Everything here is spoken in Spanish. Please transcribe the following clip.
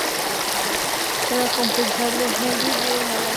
Para compensarlo, Henry de Navarre lo nombró como canciller.